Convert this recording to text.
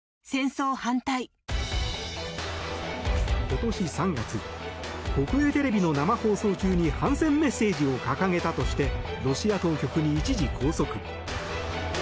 今年３月国営テレビの生放送中に反戦メッセージを掲げたとしてロシア当局に一時拘束。